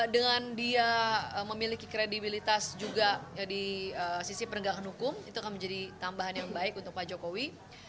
dengan dia memiliki kredibilitas juga di sisi penegakan hukum itu akan menjadi tambahan yang baik untuk pak jokowi